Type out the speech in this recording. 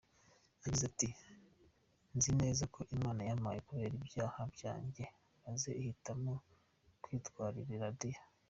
Yagize ati “Nzi neza ko Imana yampannye kubera ibyaha byanjye maze ihitamo kwitwarira Radio.